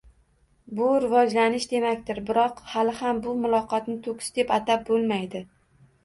Bu rivojlanish demakdir, biroq xali ham bu muloqotni to‘kis deb atab bo‘lmaydi.